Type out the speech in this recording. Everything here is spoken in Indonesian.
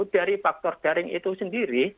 dari faktor daring itu sendiri